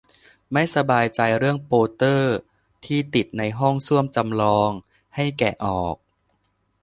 ไม่สบายใจเรื่องโปเตอร์ที่ติดในห้องส้วมจำลอง ให้แกะออก